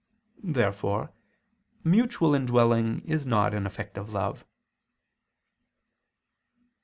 Therefore mutual indwelling is not an effect of love.